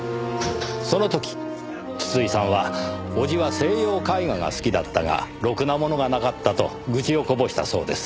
その時筒井さんは伯父は西洋絵画が好きだったがろくなものがなかったと愚痴をこぼしたそうです。